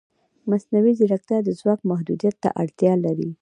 مصنوعي ځیرکتیا د ځواک محدودیت ته اړتیا لري.